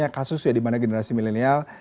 banyak kasus ya di mana generasi milenial